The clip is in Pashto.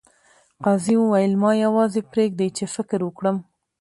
قاضي وویل ما یوازې پریږدئ چې فکر وکړم.